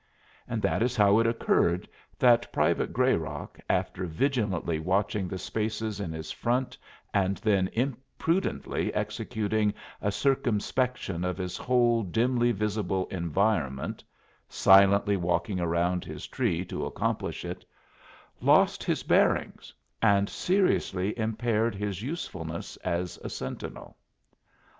And that is how it occurred that Private Grayrock, after vigilantly watching the spaces in his front and then imprudently executing a circumspection of his whole dimly visible environment (silently walking around his tree to accomplish it) lost his bearings and seriously impaired his usefulness as a sentinel.